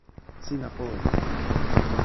sina powe.